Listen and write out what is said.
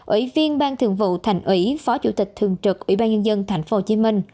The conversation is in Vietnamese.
ủy viên ban thường vụ thành ủy phó chủ tịch thường trực ủy ban nhân dân tp hcm